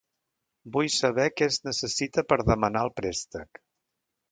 Vull saber què es necessita per demanar el préstec.